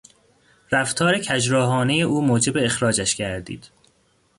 رفتار کژراهانهی او موجب اخراجش گردید.